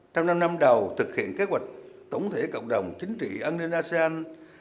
trong năm đầu thực hiện kế hoạch tổng thể cộng đồng chính trị an ninh asean hai nghìn hai mươi năm